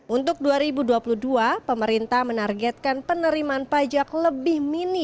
untuk dua ribu dua puluh dua pemerintah menargetkan penerimaan pajak lebih minim